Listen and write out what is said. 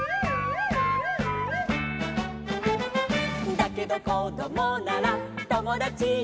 「だけどこどもならともだちになろう」